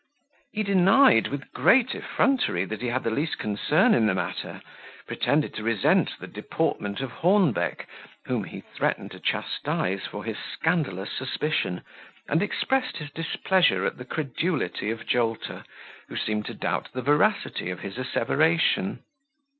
He denied, with great effrontery, that he had the least concern in the matter, pretended to resent the deportment of Hornbeck, whom he threatened to chastise for his scandalous suspicion, and expressed his displeasure at the credulity of Jolter, who seemed to doubt the veracity of his asseveration.